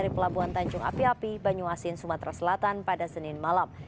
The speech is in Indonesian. kepala tansung api api banyuasin sumatera selatan pada senin malam